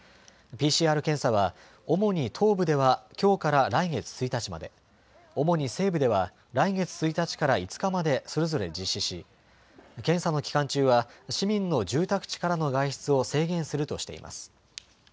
ＰＣＲ検査は主に東部ではきょうから来月１日まで、主に西部では来月１日から５日までそれぞれ実施し検査の期間中は市民の住宅地からの外出を制限するとしています。